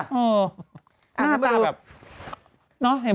อ๋อหน้าตาแบบอ้าวไม่รู้